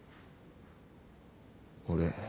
俺